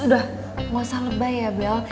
udah gak usah lebay ya bel